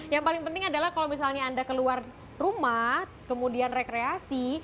yang paling penting adalah kalau misalnya anda keluar rumah kemudian rekreasi